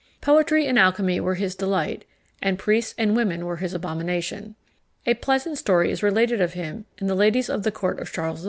Poetry and alchymy were his delight, and priests and women were his abomination. A pleasant story is related of him and the ladies of the court of Charles IV.